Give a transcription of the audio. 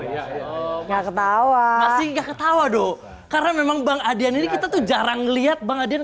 iya nggak ketawa ketawa doh karena memang bang adrian ini kita tuh jarang lihat banget dan